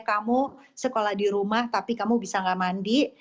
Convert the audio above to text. kamu sekolah di rumah tapi kamu bisa nggak mandi